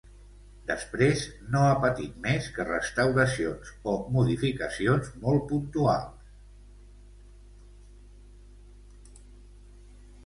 Després no ha patit més que restauracions o modificacions molt puntuals.